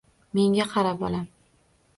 Menga qara, bolam.